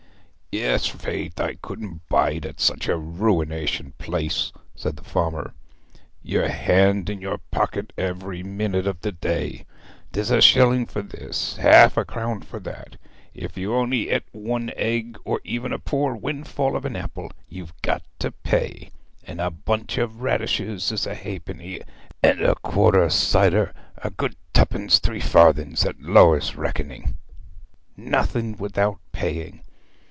'Yes, faith! I couldn't bide at such a ruination place,' said the farmer. 'Your hand in your pocket every minute of the day. 'Tis a shilling for this, half a crown for that; if you only eat one egg, or even a poor windfall of an apple, you've got to pay; and a bunch o' radishes is a halfpenny, and a quart o' cider a good tuppence three farthings at lowest reckoning. Nothing without paying!